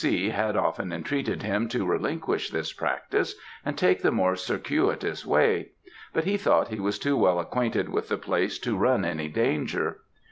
C. had often entreated him to relinquish this practice, and take the more circuitous way; but he thought he was too well acquainted with the place to run any danger.